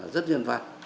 rất nhân văn